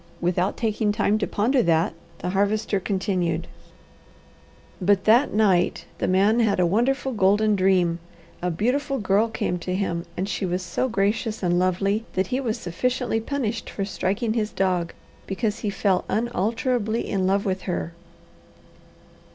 Without taking time to ponder that, the Harvester continued: "But that night the man had a wonderful, golden dream. A beautiful girl came to him, and she was so gracious and lovely that he was sufficiently punished for striking his dog, because he fell unalterably in love with her."